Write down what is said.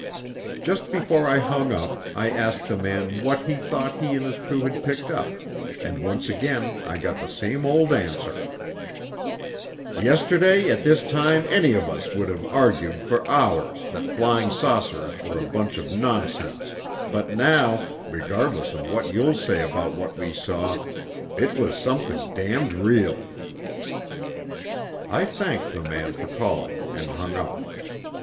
Just before I hung up I asked the man what he thought he and his crew had picked up, and once again I got the same old answer: "Yesterday at this time any of us would have argued for hours that flying saucers were a bunch of nonsense but now, regardless of what you'll say about what we saw, it was something damned real." I thanked the man for calling and hung up.